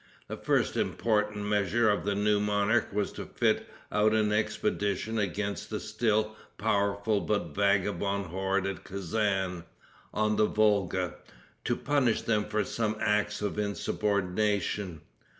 The first important measure of the new monarch was to fit out an expedition against the still powerful but vagabond horde at Kezan, on the Volga, to punish them for some acts of insubordination.